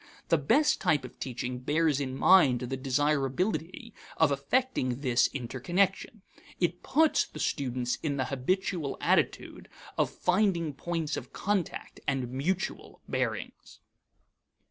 The best type of teaching bears in mind the desirability of affecting this interconnection. It puts the student in the habitual attitude of finding points of contact and mutual bearings.